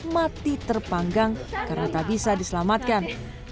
mati terpanggang karena tak bisa diselamatkan